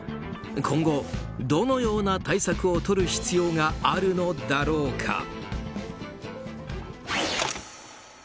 今後どのような対策をとる必要があるのだろうか。